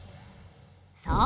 そう。